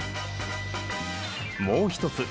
もう一つ。